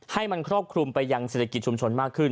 ให้มันครอบคลุมไปยังเศรษฐกิจชุมชนมากขึ้น